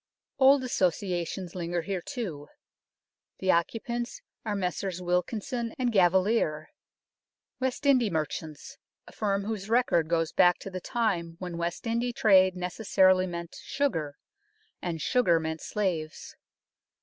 Old associations linger here, too. The occu pants are Messrs Wilkinson and Caviller, West India merchants a firm whose record goes back to the time when West India trade necessarily meant sugar, and sugar meant slaves.